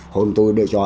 hôn tôi để cho